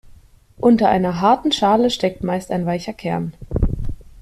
Unter einer harten Schale steckt meist ein weicher Kern.